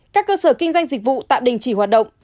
các cơ sở kinh doanh dịch vụ tạm đình chỉ hoạt động